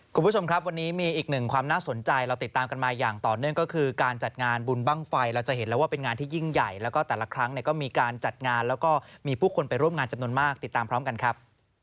คุณผู้ชมครับวันนี้มีอีกหนึ่งความน่าสนใจเราติดตามกันมาอย่างต่อเนื่องก็คือการจัดงานบุญบ้างไฟเราจะเห็นแล้วว่าเป็นงานที่ยิ่งใหญ่แล้วก็แต่ละครั้งเนี่ยก็มีการจัดงานแล้วก็มีผู้คนไปร่วมงานจำนวนมากติดตามพร้อมกันครับ